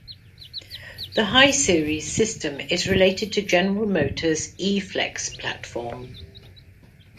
The HySeries system is related to General Motors E-Flex platform.